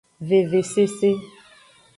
Vevesese.